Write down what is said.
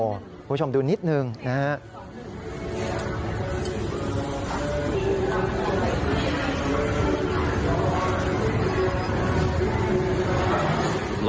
คุณผู้ชมดูนิดนึงนะครับ